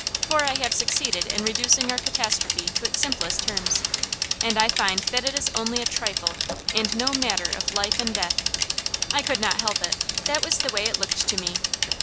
For I have succeeded in reducing our catastrophe to its simplest terms, and I find that it is only a trifle, and no matter of life and death. I could not help it. That was the way it looked to me.